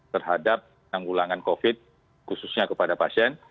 terhadap penanggulangan covid khususnya kepada pasien